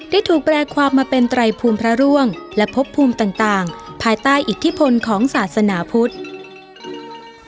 ถูกแปลความมาเป็นไตรภูมิพระร่วงและพบภูมิต่างภายใต้อิทธิพลของศาสนาพุทธ